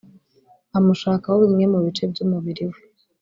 amushakaho bimwe mu bice by’umubiri we